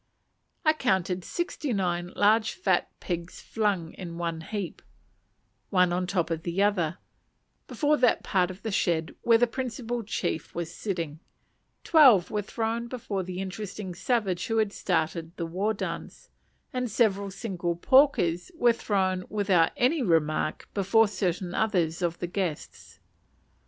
I counted sixty nine large fat pigs flung in one heap, one on the top of the other, before that part of the shed where the principal chief was sitting; twelve, were thrown before the interesting savage who had "started" the war dance; and several single porkers were thrown without any remark before certain others of the guests.